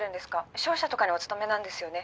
☎商社とかにお勤めなんですよね